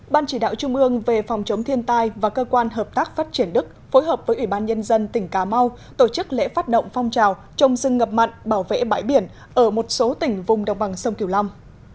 ban chỉ đạo trung ương về phòng chống thiên tai và cơ quan hợp tác phát triển đức phối hợp với ủy ban nhân dân tỉnh cà mau tổ chức lễ phát động phong trào trồng rừng ngập mặn bảo vệ bãi biển ở một số tỉnh vùng độc bằng sông kiều long